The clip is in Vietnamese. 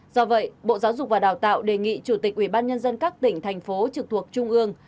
do vậy bộ giáo dục và đào tạo đề nghị chủ tịch ubnd các tỉnh thành phố trực thuộc trung ương